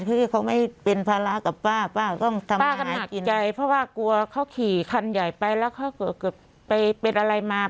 ที่เขาไม่เป็นภาระกับป้าป้าต้องทำมาหากินใจเพราะว่ากลัวเขาขี่คันใหญ่ไปแล้วเขาเกือบไปเป็นอะไรมา